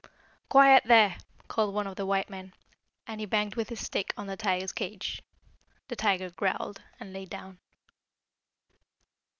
"Quiet there!" called one of the white men, and he banged with his stick on the tiger's cage. The tiger growled, and lay down.